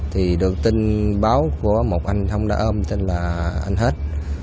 thì được tin báo của một anh thông đã ôm tên là anh hết